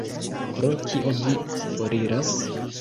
Pro kio vi foriras?